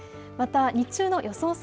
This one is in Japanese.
また日中の予想